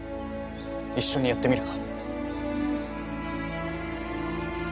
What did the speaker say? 一緒にやってみるか？